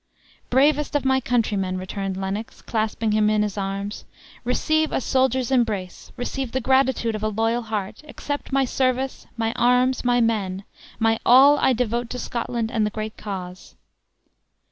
"Bravest of my countrymen!" returned Lennox, clasping him in his arms, "receive a soldier's embrace, receive the gratitude of a loyal heart! accept my service, my arms, my men: my all I devote to Scotland and the great cause."